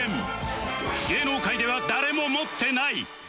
芸能界では誰も持ってない